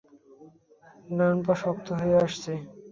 ডান পা শক্ত হয়ে আসছে।